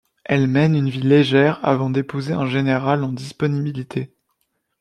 Elle mène une vie légère avant d'épouser un général en disponibilité.